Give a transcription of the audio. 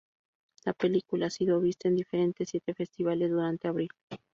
La película ha sido vista en diferentes siete festivales durante abril.